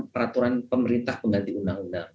peraturan pemerintah pengganti undang undang